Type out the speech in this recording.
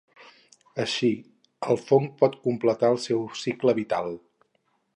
Així el fong pot completar el seu cicle vital.